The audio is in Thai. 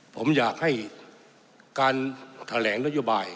ผมอยากให้การแถลงนโยบาย